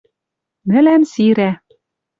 МӸЛӒМ СИРӒ